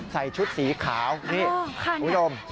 ใส่ชุดสีขาวอุดม